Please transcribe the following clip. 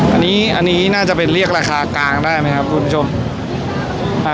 อันนี้อันนี้น่าจะเป็นเรียกราคากลางได้ไหมครับคุณผู้ชมอ่า